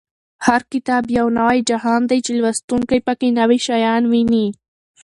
هر کتاب یو نوی جهان دی چې لوستونکی په کې نوي شیان ویني.